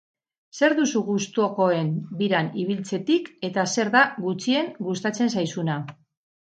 Zer duzu gustukoen biran ibiltzetik eta zer da gutxien gustatzen zaizuna?